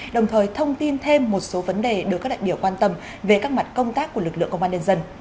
đồng thời thông tin thêm một số vấn đề được các đại biểu quan tâm về các mặt công tác của lực lượng công an nhân dân